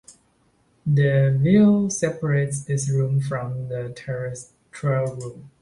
The veil separates this room from the Terrestrial Room.